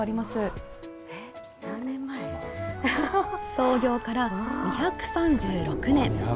創業から２３６年。